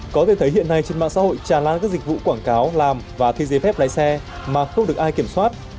có thể thấy hiện nay trên mạng xã hội tràn lan các dịch vụ quảng cáo làm và thi giấy phép lái xe mà không được ai kiểm soát